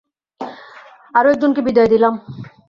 আরো একজনকে বিদায় দিলাম।